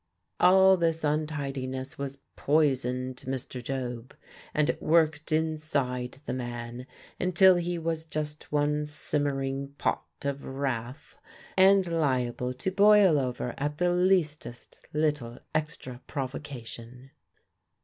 All this untidiness was poison to Mr. Job, and it worked inside the man until he was just one simmering pot of wrath, and liable to boil over at the leastest little extra provocation.